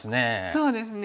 そうですね。